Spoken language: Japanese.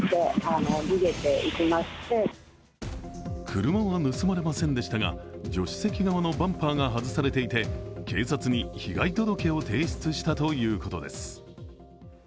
車は盗まれませんでしたが助手席側のバンパーが外されていて警察に被害届を提出したということです。